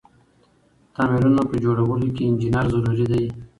تعميرونه په جوړولو کی انجنیر ضروري ده.